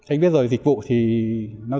anh biết rồi dịch vụ rất phong phú